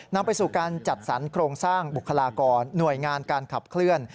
นำไปสู่การจัดสรรโครงสร้างบุคลากรหน่วยงานการขับเคลื่อน